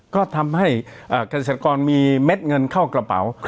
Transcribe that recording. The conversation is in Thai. ก็ทำให้เกษตรกรมีเม็ดเงินเข้ากระเป๋า